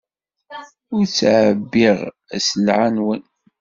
Ur ttɛebbiɣ sselɛa-nwen.